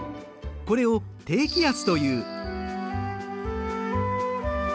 これを低気圧という。